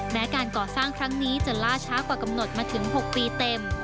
แม้การก่อสร้างครั้งนี้จะล่าช้ากว่ากำหนดมาถึง๖ปีเต็ม